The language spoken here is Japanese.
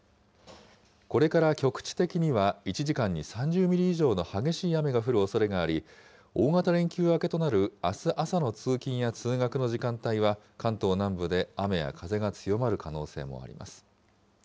これから局地的には１時間に３０ミリ以上の激しい雨が降るおそれがあり、大型連休明けとなるあす朝までの通勤や通学の時間帯は、関東南部で雨や風が強まる可能性もあります。